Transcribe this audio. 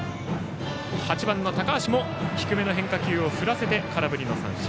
８番の高橋も低めの変化球を振らせて空振りの三振。